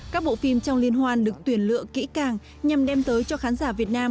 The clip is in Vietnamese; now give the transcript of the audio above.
các bộ phim trong liên hoan được tuyển lựa kỹ càng nhằm đem tới cho khán giả việt nam